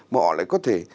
mà họ lại có thể